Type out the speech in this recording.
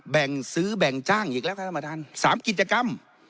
แบ่งซื้อแบ่งจ้างอีกแล้วค่ะท่านประธาน๓กิจกรรม